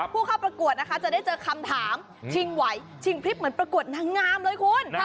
ผู้เข้าประกวดนะคะจะได้เจอคำถามชิงไหวชิงพริบเหมือนประกวดนางงามเลยคุณ